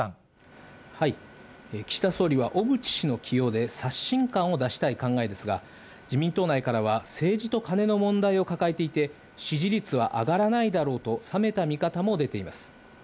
岸田総理は小渕氏の起用で、刷新感を出したい考えですが、自民党内からは、政治とカネの問題を抱えていて、支持率は上がらないだろうと冷めた見方も出ています。